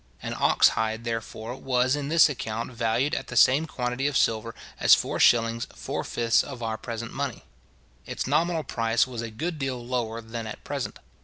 An ox hide, therefore, was in this account valued at the same quantity of silver as 4s. 4/5ths of our present money. Its nominal price was a good deal lower than at present.